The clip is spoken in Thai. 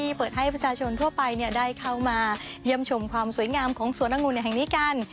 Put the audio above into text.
เปิดให้ประชาชนทั่วไปได้เข้ามาเยี่ยมชมความสวยงามของสวนองุ่นแห่งนี้กัน